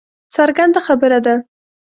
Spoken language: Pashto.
څرګنده خبره ده